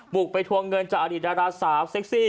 บุกไปทวงเงินจากอดีตดาราสาวเซ็กซี่